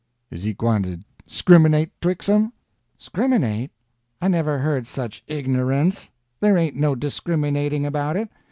is he gwine to scriminate 'twixt 'em?" "Scriminate! I never heard such ignorance. There ain't no discriminating about it.